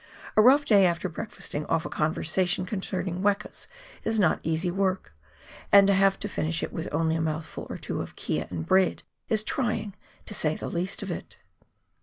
A rough day after breakfasting off a conversation concerning wekas is not easy work, and to have to finish it with only a mouthful or two of kea and bread, is trying to say the least of it